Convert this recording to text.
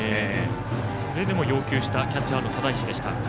それでも要求したキャッチャーの只石でした。